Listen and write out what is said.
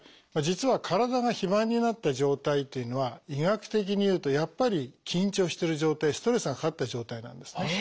実は体が肥満になった状態というのは医学的にいうとやっぱり緊張してる状態ストレスがかかった状態なんですね。